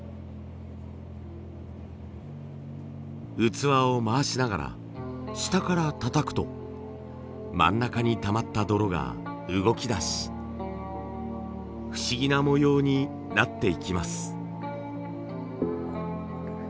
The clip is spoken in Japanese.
器を回しながら下からたたくと真ん中にたまった泥が動きだし不思議な模様になっていきます。